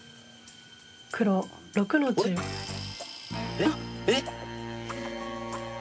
えっ？えっ？